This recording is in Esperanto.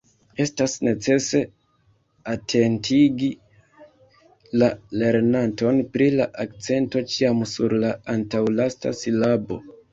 Estas necese atentigi la lernanton pri la akcento ĉiam sur la antaŭlasta silabo.